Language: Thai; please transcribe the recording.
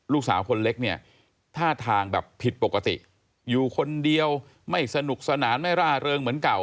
ลูกสาวคนเล็กเนี่ยท่าทางแบบผิดปกติอยู่คนเดียวไม่สนุกสนานไม่ร่าเริงเหมือนเก่า